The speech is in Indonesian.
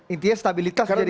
intinya stabilitas jadi kunci